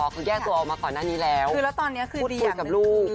คุณแยกตัวออกมาก่อนหน้านี้แล้วคุณฟลุ๊กกับลูก